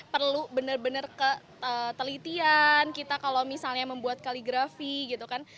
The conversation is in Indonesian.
perlu bener bener ke telitian kita kalau misalnya membuat kaligrafi gitu kan